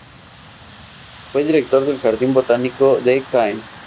Fue director del Jardín botánico de Caen.